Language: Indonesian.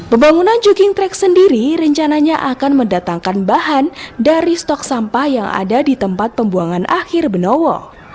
pembangunan jogging track sendiri rencananya akan mendatangkan bahan dari stok sampah yang ada di tempat pembuangan akhir benowo